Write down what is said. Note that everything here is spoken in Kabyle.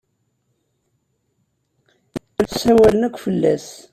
Ssawalen akk fell-as.